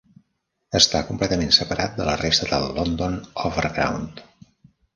Està completament separat de la resta del London Overground.